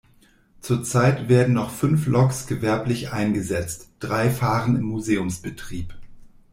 Zurzeit werden noch fünf Loks gewerblich eingesetzt, drei fahren im Museumsbetrieb.